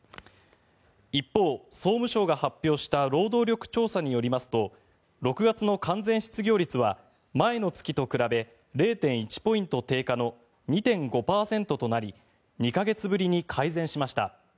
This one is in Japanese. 一方、総務省が発表した労働力調査によりますと６月の完全失業率は前の月と比べ０．１ポイント低下の２．５％となり２か月ぶりに改善しました。